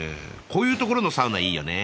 こういうところのサウナいいよね。